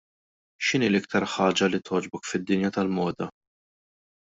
X'inhi l-iktar ħaġa li togħġbok fid-dinja tal-moda?